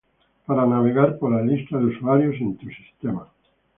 para navegar por la lista de usuarios en tu sistema.